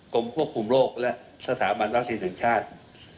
กรมควบคุมโลกและสถาบันวัฒนธรรมชาติ